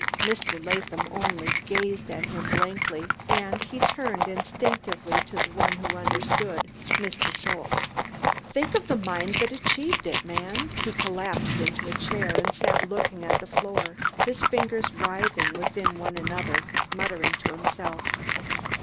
Mr. Latham only gazed at him blankly, and he turned instinctively to the one who understood Mr. Schultze. "Think of the mind that achieved it, man!" He collapsed into a chair and sat looking at the floor, his fingers writhing within one another, muttering to himself.